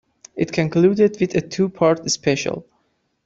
It concluded with a two-part special.